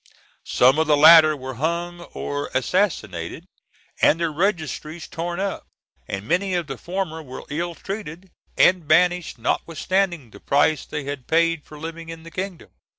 Some of the latter were hung or assassinated, and their registers torn up; and many of the former were ill treated and banished, notwithstanding the price they had paid for living in the kingdom.